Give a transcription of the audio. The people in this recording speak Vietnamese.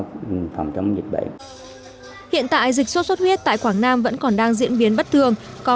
công nhận dịch bệnh hiện tại dịch sốt huyết tại quảng nam vẫn còn đang diễn biến bất thường có